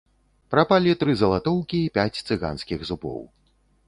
Прапалі тры залатоўкі і пяць цыганскіх зубоў.